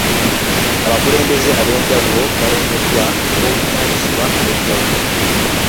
Abakulembeze ab'enjawulo balondebwa olw'obuvunaanyizibwa obw'enjawulo.